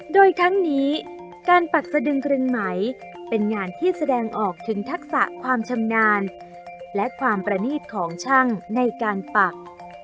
โดยทั้งนี้การปักสะดึงกรึงไหมเป็นงานที่แสดงออกถึงทักษะความชำนาญและความประนีตของช่างในการปัก